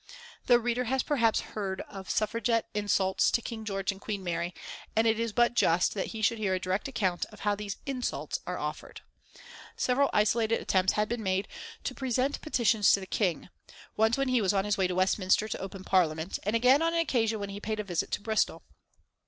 The reader has perhaps heard of Suffragette "insults" to King George and Queen Mary, and it is but just that he should hear a direct account of how these "insults" are offered. Several isolated attempts had been made to present petitions to the King, once when he was on his way to Westminster to open Parliament, and again on an occasion when he paid a visit to Bristol.